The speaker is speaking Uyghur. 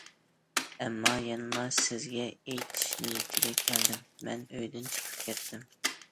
ئەمما يەنىلا سىزگە ئېيتىش نىيىتىگە كەلدىم، مەن ئۆيدىن چىقىپ كەتتىم.